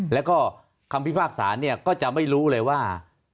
แล้วก็คำพิพากษาเนี่ยก็จะไม่รู้เลยว่า